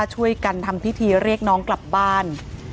ช่วยกันทำพิธีเรียกน้องกลับบ้าน